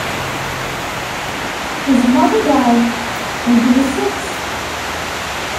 His mother died when he was six.